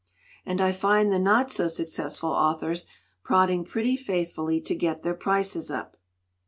And I find the not so successful authors prodding pretty faithfully to get their prices up.